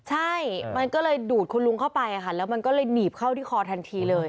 ใช่มันก็เลยดูดคุณลุงเข้าไปแล้วมันก็เลยหนีบเข้าที่คอทันทีเลย